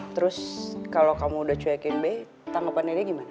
terus kalau kamu udah cuekin be tanggapannya dia gimana